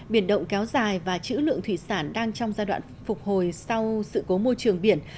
biển động kéo dài và chữ lượng thủy sản đang trong giai đoạn phục hồi sau sự cố môi trường biển